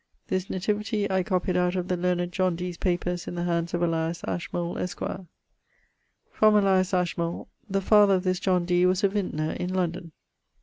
this nativity[DO] I copied out of the learned John Dee's papers in the hands of Elias Ashmole, esq. From Elias Ashmole the father of this John Dee was a vintner in ... London.